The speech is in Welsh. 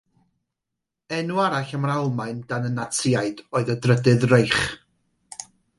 Enw arall ar yr Almaen dan y Natsïaid oedd y Drydedd Reich.